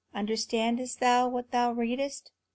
Understandest thou what thou readest?"